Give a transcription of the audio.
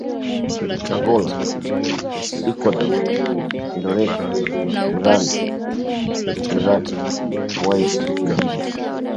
Angola Ecuador Indonesia Iran Iraq Kuwait Libya